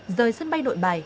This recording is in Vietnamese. rời sân bay nội bài